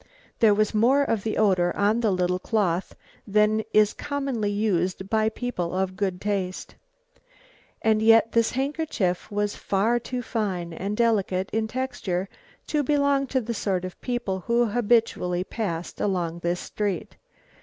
There was more of the odour on the little cloth than is commonly used by people of good taste. And yet this handkerchief was far too fine and delicate in texture to belong to the sort of people who habitually passed along this street.